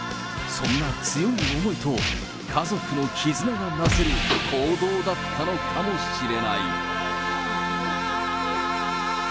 そんな強い思いと、家族の絆がなせる行動だったのかもしれない。